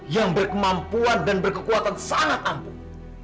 yang berkemampuan dan berkekuatan sangat ampuh